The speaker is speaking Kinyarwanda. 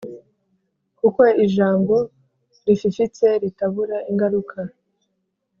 kuko ijambo rififitse ritabura ingaruka,